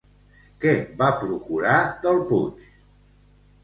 Què va procurar Delpuig?